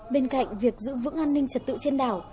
bên cạnh việc giữ vững an ninh trật tự trên đảo